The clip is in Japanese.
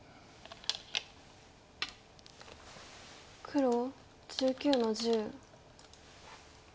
黒１９の十。